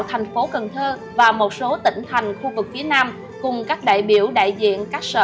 thành phố cần thơ và một số tỉnh thành khu vực phía nam cùng các đại biểu đại diện các sở